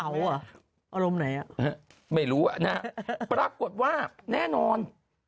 อารมณ์ไหนอะไม่รู้อะนะน่ะปรากฏว่าแน่นอน